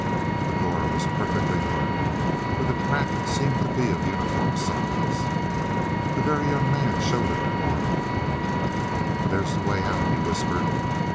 The door was perfectly hung, for the crack seemed to be of uniform size. The Very Young Man showed it to Aura. "There's the way out," he whispered.